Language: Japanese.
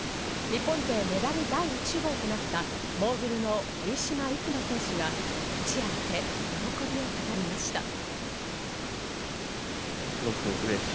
日本勢メダル第１号となったモーグルの堀島行真選手が一夜明け、喜びを語りました。